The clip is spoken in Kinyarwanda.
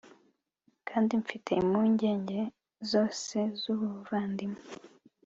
Kandi mfite impungenge zose zubuvandimwe